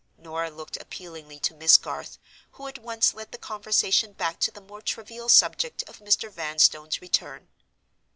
Norah looked appealingly to Miss Garth, who at once led the conversation back to the more trivial subject of Mr. Vanstone's return.